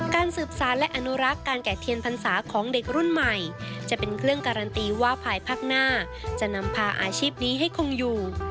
การสืบสารและอนุรักษ์การแก่เทียนพรรษาของเด็กรุ่นใหม่จะเป็นเครื่องการันตีว่าภายพักหน้าจะนำพาอาชีพนี้ให้คงอยู่